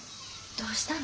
どうしたの？